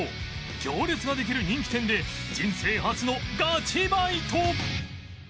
行列ができる人気店で人生初のガチバイト！